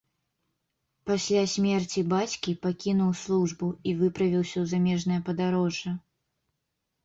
Пасля смерці бацькі пакінуў службу і выправіўся ў замежнае падарожжа.